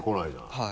はい。